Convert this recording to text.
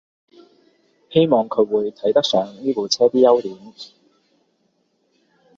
希望佢會睇得上呢部車啲優點